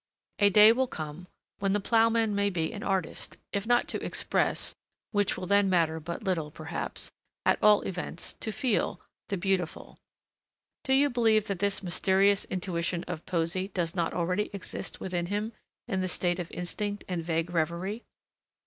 A day will come when the ploughman may be an artist, if not to express, which will then matter but little, perhaps, at all events, to feel, the beautiful. Do you believe that this mysterious intuition of poesy does not already exist within him in the state of instinct and vague revery?